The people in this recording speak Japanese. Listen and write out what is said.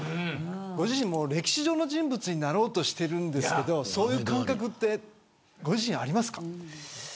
ご自身も歴史上の人物になろうとしているんですがそういう感覚ってご自身、ありますか。